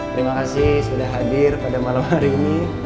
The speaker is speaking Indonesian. terima kasih sudah hadir pada malam hari ini